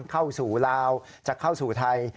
เข้าสู่ลาวจะเข้าสู่ไทย